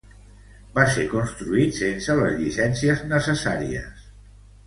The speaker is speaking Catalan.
Va ser construït sense les llicències necessàries.